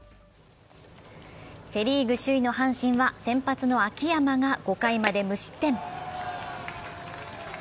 セ・リーグ首位の阪神は先発の秋山が５回まで無失点。